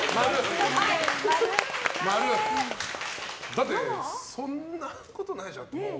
だって、そんなことないでしょ。